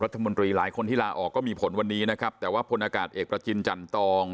รัฐมนตรีหลายคนที่ลาออกก็มีผลวันนี้นะครับแต่ว่าพลอากาศเอกประจินจันตอง